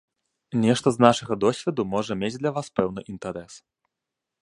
Нешта з нашага досведу можа мець для вас пэўны інтарэс.